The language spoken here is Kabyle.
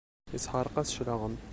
Isḥeṛq-as claɣem.